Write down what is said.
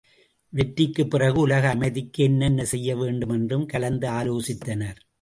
வெற்றிக்குப் பிறகு, உலக அமைதிக்கு என்னென்ன செய்யவேண்டுமென்றும் கலந்து ஆலோசித்தனர்.